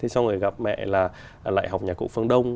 xong rồi gặp mẹ là lại học nhạc cụ phương đông